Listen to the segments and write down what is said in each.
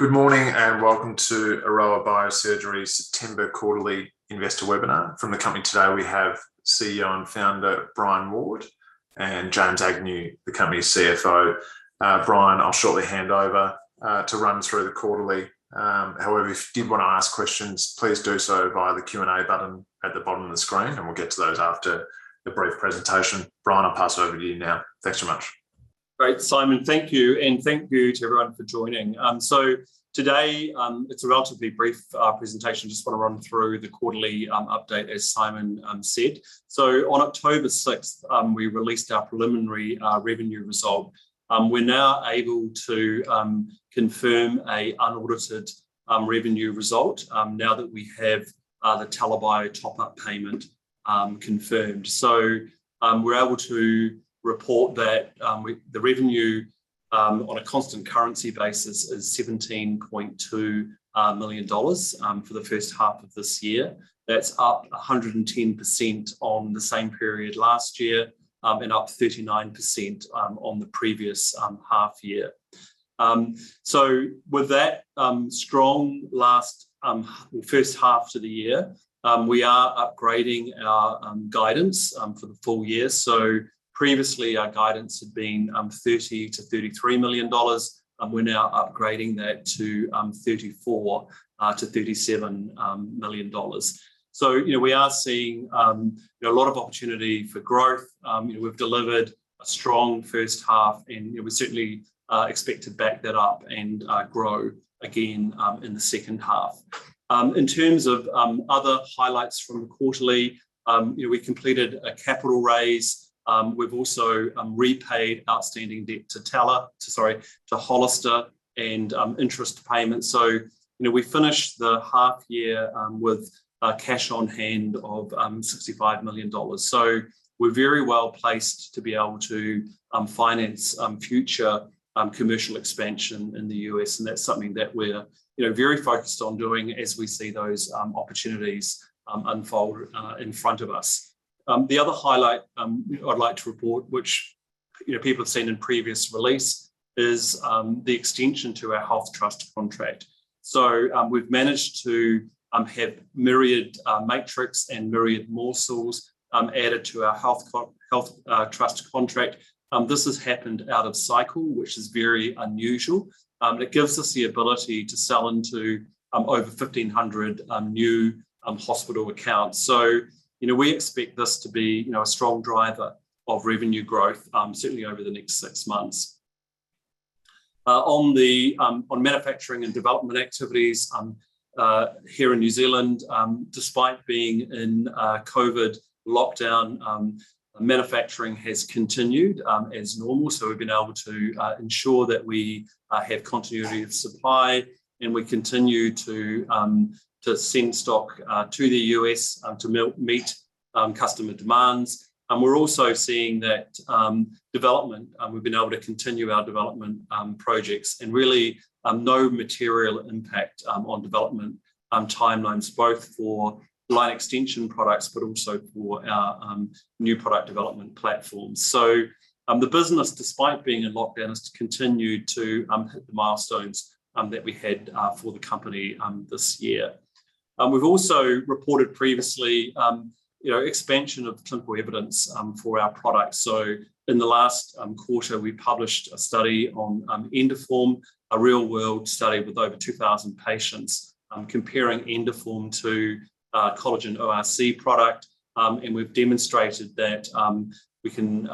Good morning, and welcome to Aroa Biosurgery September quarterly investor webinar. From the company today we have CEO and Founder, Brian Ward, and James Agnew, the company's CFO. Bryan, I'll shortly hand over to run through the quarterly. However, if you did wanna ask questions, please do so via the Q&A button at the bottom of the screen, and we'll get to those after the brief presentation. Bryan, I'll pass over to you now. Thanks so much. Great, Simon. Thank you, and thank you to everyone for joining. Today, it's a relatively brief presentation. Just wanna run through the quarterly update, as Simon said. On October 6th, we released our preliminary revenue result. We're now able to confirm an unaudited revenue result, now that we have the TELA Bio top-up payment confirmed. We're able to report that the revenue on a constant currency basis is $17.2 million for the H1 of this year. That's up 110% on the same period last year, and up 39% on the previous half year. With that, strong H1 to the year, we are upgrading our guidance for the full year. Previously our guidance had been 30 million-33 million dollars, and we're now upgrading that to 34 million-37 million dollars. You know, we are seeing you know, a lot of opportunity for growth. You know, we've delivered a strong H1 and, you know, we certainly expect to back that up and grow again in the H2. In terms of other highlights from the quarterly, you know, we completed a capital raise. We've also repaid outstanding debt to Hollister and interest payments. You know, we finished the half year with cash on hand of 65 million dollars, so we're very well placed to be able to finance future commercial expansion in the U.S., and that's something that we're, you know, very focused on doing as we see those opportunities unfold in front of us. The other highlight you know I'd like to report, which you know people have seen in previous release, is the extension to our HealthTrust contract. We've managed to have Myriad Matrix and Myriad Morcells added to our HealthTrust contract. This has happened out of cycle, which is very unusual. It gives us the ability to sell into over 1,500 new hospital accounts. You know, we expect this to be, you know, a strong driver of revenue growth, certainly over the next six months. On manufacturing and development activities here in New Zealand, despite being in COVID lockdown, manufacturing has continued as normal. We've been able to ensure that we have continuity of supply and we continue to send stock to the U.S. to meet customer demands. We're also seeing that development we've been able to continue our development projects, and really no material impact on development timelines, both for line extension products, but also for our new product development platforms. The business, despite being in lockdown, has continued to hit the milestones that we had for the company this year. We've also reported previously, you know, expansion of the clinical evidence for our products. In the last quarter, we published a study on Endoform, a real world study with over 2,000 patients, comparing Endoform to collagen ORC product. We've demonstrated that we can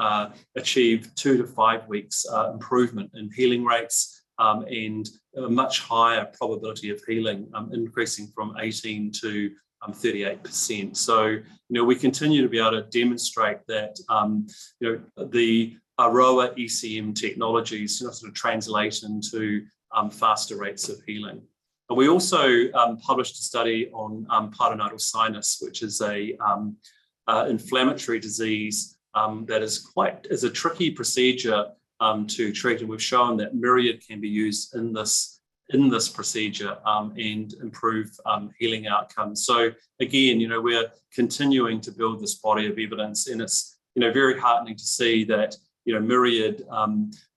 achieve two-five weeks improvement in healing rates and a much higher probability of healing increasing from 18%-38%. You know, we continue to be able to demonstrate that, you know, the Aroa ECM technologies, you know, sort of translate into faster rates of healing. We also published a study on pilonidal sinus, which is an inflammatory disease that is quite a tricky procedure to treat, and we've shown that Myriad can be used in this procedure and improve healing outcomes. Again, you know, we're continuing to build this body of evidence and it's, you know, very heartening to see that, you know, Myriad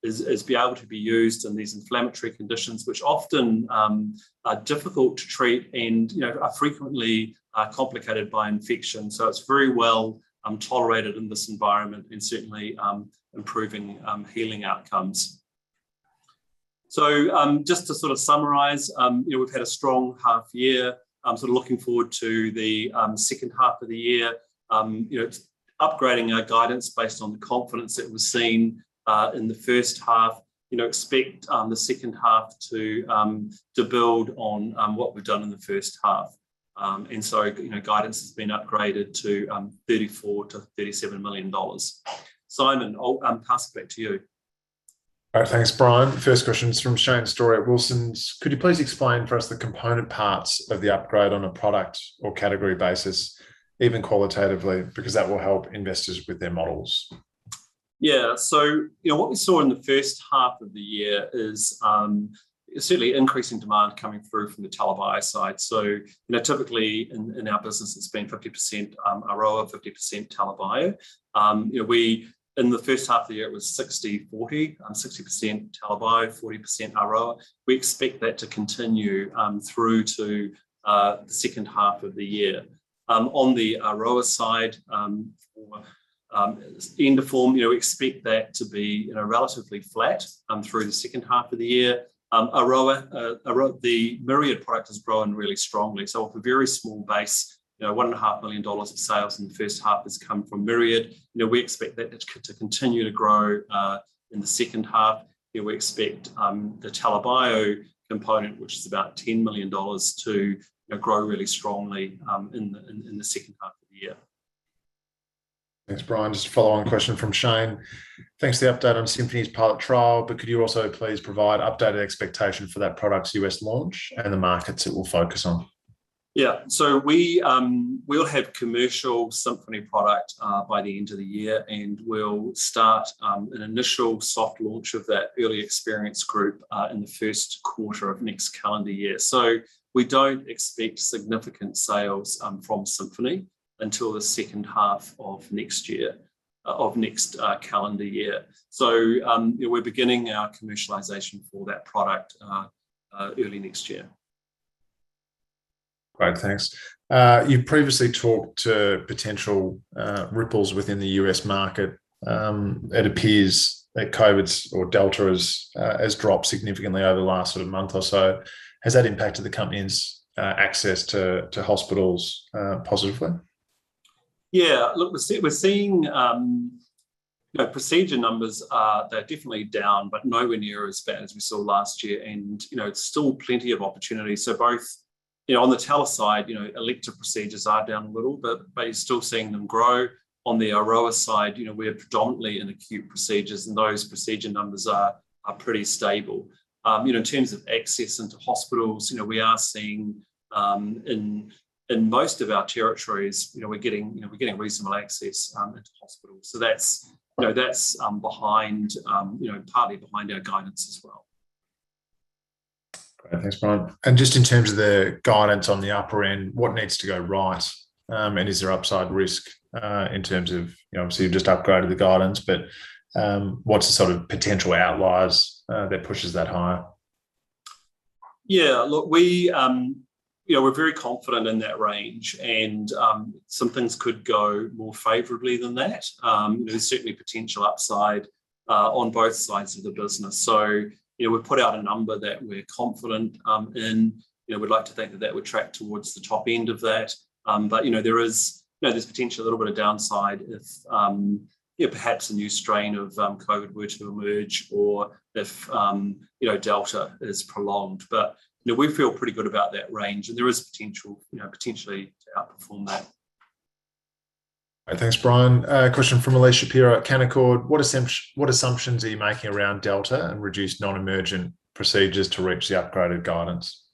is able to be used in these inflammatory conditions which often are difficult to treat and, you know, are frequently complicated by infection. It's very well tolerated in this environment and certainly improving healing outcomes. Just to sort of summarize, you know, we've had a strong half year. Sort of looking forward to the H2 of the year. You know, upgrading our guidance based on the confidence that was seen in the H1. You know, we expect the H2 to build on what we've done in the H1. You know, guidance has been upgraded to 34 million-37 million dollars. Simon, I'll pass it back to you. Thanks, Brian. First question is from Shane Storey at Wilsons. Could you please explain for us the component parts of the upgrade on a product or category basis, even qualitatively, because that will help investors with their models? Yeah. You know, what we saw in the H1of the year is certainly increasing demand coming through from the TELA Bio side. You know, typically in our business it's been 50% Aroa, 50% TELA Bio. You know, in the H1 of the year it was 60/40. 60% TELA Bio, 40% Aroa. We expect that to continue through to the H2 of the year. On the Aroa side, or Endoform, you know, we expect that to be you know, relatively flat through the H2 of the year. Aroa, the Myriad product has grown really strongly. Off a very small base, you know, $1.5 million of sales in the H1 has come from Myriad. You know, we expect that to continue to grow in the H2, yet we expect the TELA Bio component, which is about $10 million to grow really strongly in the H2 of the year. Thanks, Brian. Just a follow-on question from Shane. Thanks for the update on Symphony's pilot trial, but could you also please provide updated expectation for that product's U.S. launch and the markets it will focus on? Yeah. We'll have commercial Symphony product by the end of the year, and we'll start an initial soft launch of that early experience group in the first quarter of next calendar year. We don't expect significant sales from Symphony until the H2 of next calendar year. You know, we're beginning our commercialization for that product early next year. Great. Thanks. You've previously talked to potential ripples within the US market. It appears that COVID's, or Delta has dropped significantly over the last sort of month or so. Has that impacted the company's access to hospitals positively? Yeah. Look, we're seeing, you know, procedure numbers are definitely down, but nowhere near as bad as we saw last year and, you know, it's still plenty of opportunities. Both, you know, on the TELA side, you know, elective procedures are down a little, but we're still seeing them grow. On the Aroa side, you know, we're predominantly in acute procedures, and those procedure numbers are pretty stable. You know, in terms of access into hospitals, you know, we are seeing in most of our territories, you know, we're getting reasonable access into hospitals. That's, you know, partly behind our guidance as well. Great. Thanks, Brian. Just in terms of the guidance on the upper end, what needs to go right, and is there upside risk, in terms of, you know, obviously you've just upgraded the guidance, but, what's the sort of potential outliers, that pushes that higher? Yeah, look, we, you know, we're very confident in that range and, some things could go more favorably than that. There's certainly potential upside, on both sides of the business. You know, we've put out a number that we're confident, in. You know, we'd like to think that that would track towards the top end of that. You know, there is, you know, there's potentially a little bit of downside if, you know, perhaps a new strain of, COVID were to emerge or if, you know, Delta is prolonged. You know, we feel pretty good about that range, and there is potential, you know, potentially to outperform that. Right. Thanks, Brian. A question from Elyse Shapiro at Canaccord. What assumptions are you making around Delta and reduced non-emergent procedures to reach the upgraded guidance?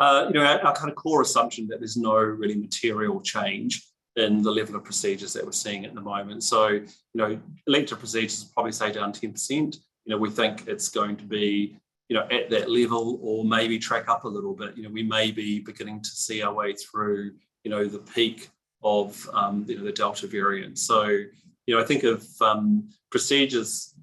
You know, our kind of core assumption that there's no really material change in the level of procedures that we're seeing at the moment. You know, elective procedures are probably, say, down 10%. You know, we think it's going to be, you know, at that level or maybe track up a little bit. You know, we may be beginning to see our way through, you know, the peak of, you know, the Delta variant. You know, I think if procedures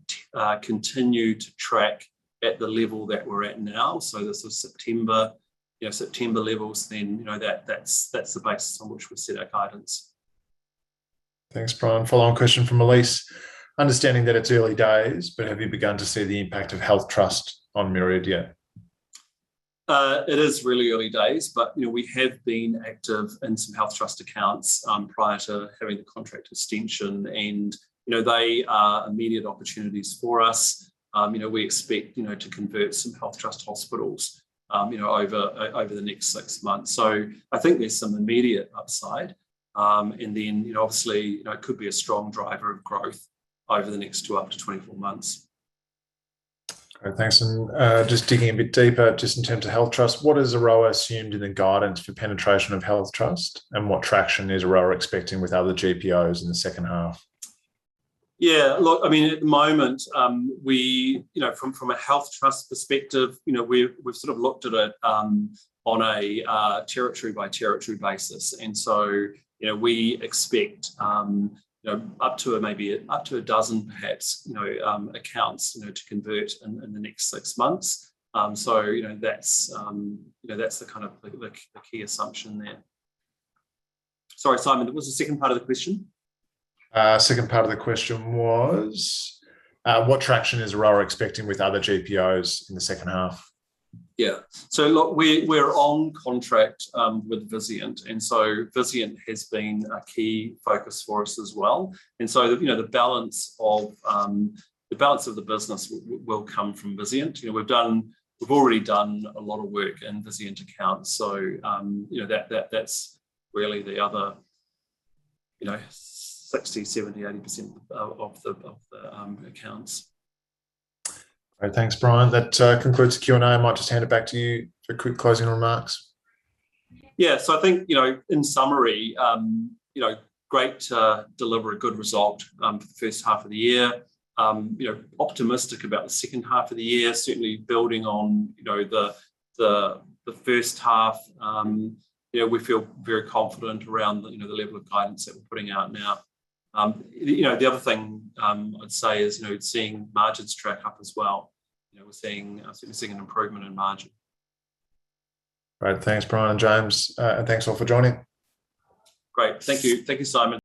continue to track at the level that we're at now, so this is September, you know, September levels, then, you know, that's the basis on which we set our guidance. Thanks, Brian. Follow-on question from Elyse. Understanding that it's early days, but have you begun to see the impact of HealthTrust on Myriad yet? It is really early days, but, you know, we have been active in some HealthTrust accounts, prior to having the contract extension, and, you know, they are immediate opportunities for us. You know, we expect, you know, to convert some HealthTrust hospitals, you know, over the next six months. I think there's some immediate upside. You know, obviously, you know, it could be a strong driver of growth over the next two up to 24 months. Great. Thanks. Just digging a bit deeper just in terms of HealthTrust, what has Aroa assumed in the guidance for penetration of HealthTrust, and what traction is Aroa expecting with other GPOs in the H2? Yeah, look, I mean, at the moment, we, you know, from a HealthTrust perspective, you know, we've sort of looked at it on a territory by territory basis, and so, you know, we expect, you know, up to a dozen perhaps, you know, accounts, you know, to convert in the next six months. So, you know, that's, you know, that's the kind of like the key assumption there. Sorry, Simon, what was the second part of the question? Second part of the question was, what traction is Aroa expecting with other GPOs in the H2? Yeah. Look, we're on contract with Vizient, and Vizient has been a key focus for us as well. You know, the balance of the business will come from Vizient. You know, we've already done a lot of work in Vizient accounts. You know, that's really the other 60, 70, 80% of the accounts. Great. Thanks, Brian. That concludes the Q&A. I might just hand it back to you for quick closing remarks. Yeah. I think, you know, in summary, you know, great to deliver a good result for the H1 of the year. You know, optimistic about the H2 of the year, certainly building on, you know, the H1. You know, we feel very confident around the, you know, the level of guidance that we're putting out now. You know, the other thing, I'd say is, you know, seeing margins track up as well. You know, we're seeing an improvement in margin. All right. Thanks, Brian and thanks all for joining. Great. Thank you. Thank you, Simon.